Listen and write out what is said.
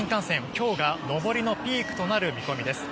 今日が上りのピークとなる見込みです。